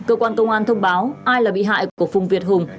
cơ quan công an thông báo ai là bị hại của phùng việt hùng